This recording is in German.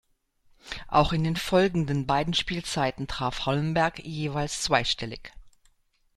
Auch in den folgenden beiden Spielzeiten traf Holmberg jeweils zweistellig.